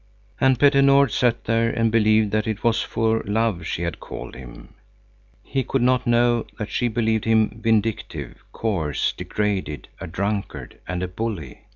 And Petter Nord sat there and believed that it was for love she had called him. He could not know that she believed him vindictive, coarse, degraded, a drunkard and a bully.